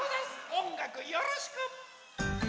おんがくよろしく！